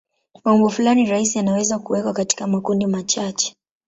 Maumbo fulani rahisi yanaweza kuwekwa katika makundi machache.